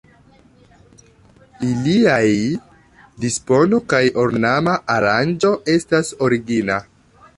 Iliaj dispono kaj ornama aranĝo estas origina.